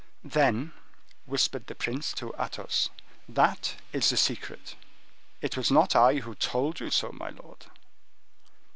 "Then," whispered the prince to Athos, "that is the secret." "It was not I who told you so, my lord."